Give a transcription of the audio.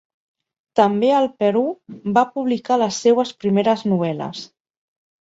També al Perú va publicar les seues primeres novel·les.